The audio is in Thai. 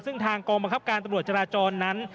ซึ่งทางกองบังคับการตำรวจจราจรนั้น